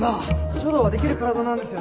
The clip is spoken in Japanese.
書道はできる体なんですよね？